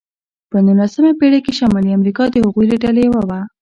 په نوولسمه پېړۍ کې شمالي امریکا د هغوی له ډلې یوه وه.